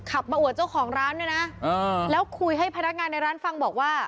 ขับมาอวดเจ้าของร้านด้วยนะแล้วคุยให้พนักงานในร้านฟังบอกว่า